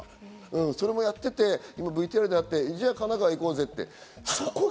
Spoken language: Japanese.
それもやってて、ＶＴＲでやってた、じゃあ神奈川ならいいから行こうぜって。